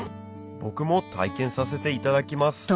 僕も体験させていただきます